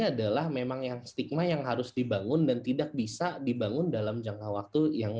adalah memang yang stigma yang harus dibangun dan tidak bisa dibangun dalam jangka waktu yang